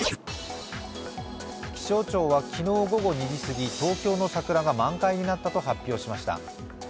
気象庁は昨日午後２時過ぎ、東京の桜が満開になったと発表しました。